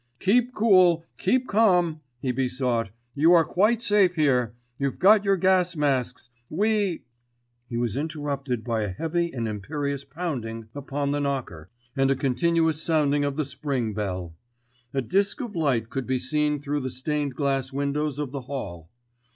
"Keep cool, keep calm," he besought. "You are quite safe here. You've got your gas masks. We——" He was interrupted by a heavy and imperious pounding upon the knocker, and a continuous sounding of the spring bell. A disc of light could be seen through the stained glass windows of the hall.